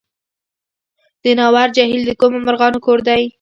د ناور جهیل د کومو مرغانو کور دی؟